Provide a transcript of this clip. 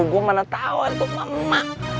gua mana tau itu mama